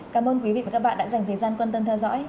cảm ơn quý vị và các bạn đã dành thời gian quan tâm theo dõi